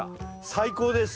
最高です。